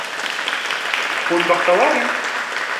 Hûn bextewar in?